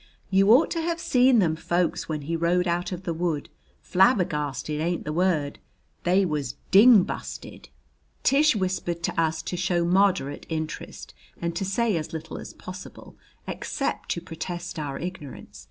"You ought to hev seen them folks when he rode out of the wood. Flabbergasted ain't the word. They was ding busted." Tish whispered to us to show moderate interest and to say as little as possible, except to protest our ignorance.